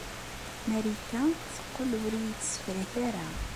Marika teqqel ur iyi-tessefrak ara.